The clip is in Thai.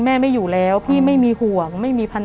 แต่ขอให้เรียนจบปริญญาตรีก่อน